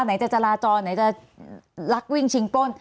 ไหนจะจราจรไหนจะลักวิ่งชิงปล้น